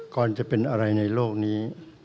ก่อนจะเป็นอะไรในโลกนี้